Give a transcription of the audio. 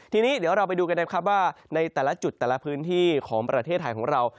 ทีนี้เดี๋ยวเราไปดูกันนะครับว่าในแต่ละจุดแต่ละพื้นที่ของประเทศไทยของเรา